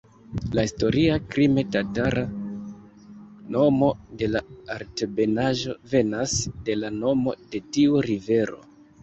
La historia krime-tatara nomo de la altebenaĵo venas de la nomo de tiu rivero.